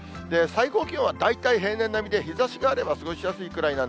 最高気温は大体平年並みで日ざしがあれば、過ごしやすいくらいな